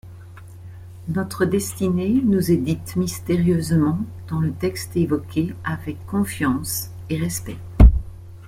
Notre destinée nous est dite mystérieusement dans le texte évoqué avec confiance et respect.